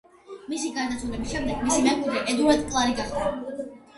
მისი გარდაცვალების შემდეგ მისი მემკვიდრე ედუარდ კლარი გახდა.